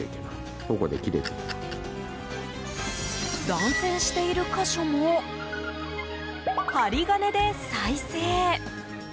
断線している箇所も針金で再生。